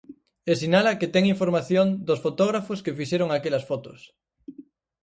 E sinala que ten información dos fotógrafos que fixeron aquelas fotos.